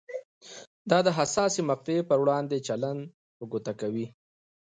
دا د حساسې مقطعې پر وړاندې چلند په ګوته کوي.